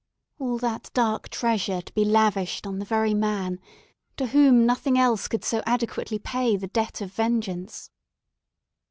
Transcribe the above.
All that dark treasure to be lavished on the very man, to whom nothing else could so adequately pay the debt of vengeance!